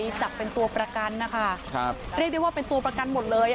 จับเป็นตัวประกันนะคะครับเรียกได้ว่าเป็นตัวประกันหมดเลยอ่ะ